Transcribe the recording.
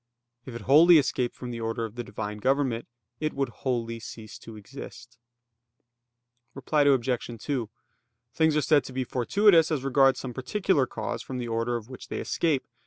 If it wholly escaped from the order of the Divine government, it would wholly cease to exist. Reply Obj. 2: Things are said to be fortuitous as regards some particular cause from the order of which they escape.